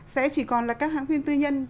sẽ chỉ còn là các hãng phim tư nhân